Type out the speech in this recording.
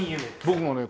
僕もね